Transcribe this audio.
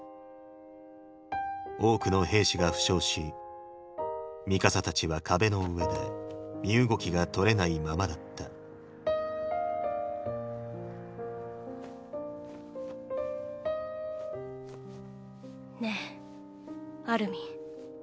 多くの兵士が負傷しミカサたちは壁の上で身動きがとれないままだったねぇアルミン。